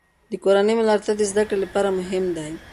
د کورنۍ ملاتړ د زده کړې لپاره مهم دی.